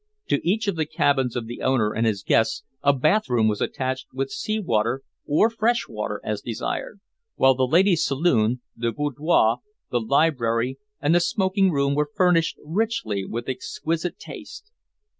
To each of the cabins of the owner and his guests a bathroom was attached with sea water or fresh water as desired, while the ladies' saloon, the boudoir, the library, and the smoking room were furnished richly with exquisite taste.